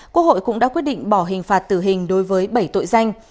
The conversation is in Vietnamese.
quốc hội cũng đã quyết định bỏ hình phạt tử hình đối với bảy tội danh